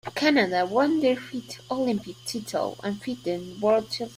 Canada won their fifth Olympic title, and fifteenth World title.